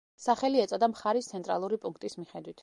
სახელი ეწოდა მხარის ცენტრალური პუნქტის მიხედვით.